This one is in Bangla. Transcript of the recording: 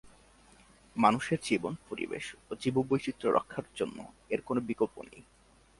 মানুষের জীবন, পরিবেশ ও জীববৈচিত্র্য রক্ষার জন্য এর কোনো বিকল্প নেই।